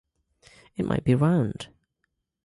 It might be round.